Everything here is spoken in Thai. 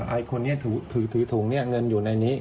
ไอ้คนนี้ถือถุงเนี่ยเงินอยู่ในนี้